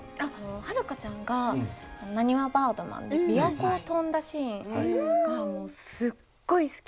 遥ちゃんがなにわバードマンでびわ湖を飛んだシーンがすっごい好き。